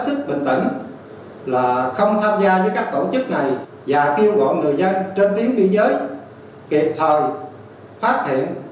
tổ chức bình tĩnh là không tham gia với các tổ chức này và kêu gọi người dân trên tiếng biên giới kịp thời phát hiện